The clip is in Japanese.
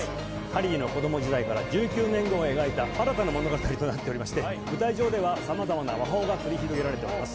ハリーの子ども時代から１９年後を描いた新たな物語となっておりまして舞台上では様々な魔法が繰り広げられております